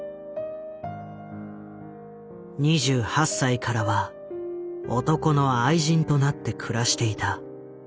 ２８歳からは男の愛人となって暮らしていた。